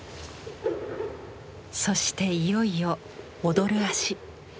そしていよいよ「踊る足」。